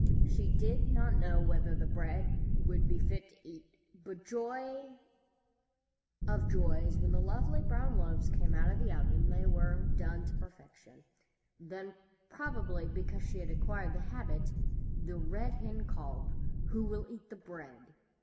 She did not know whether the bread would be fit to eat, but joy of joys! when the lovely brown loaves came out of the oven, they were done to perfection. Then, probably because she had acquired the habit, the Red Hen called: "Who will eat the Bread?"